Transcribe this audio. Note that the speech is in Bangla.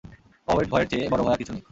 অভাবের ভয়ের চেয়ে বড় ভয় আর কিছু নেই!